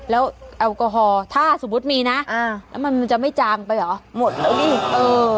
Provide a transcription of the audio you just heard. แล้วแอลกอฮอล์ถ้าสมมุติมีนะอ่าแล้วมันจะไม่จางไปเหรอหมดแล้วนี่เออ